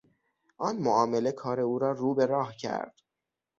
آن معامله کار او را رو به راه کرد.